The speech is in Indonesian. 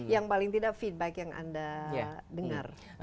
yang paling tidak feedback yang anda dengar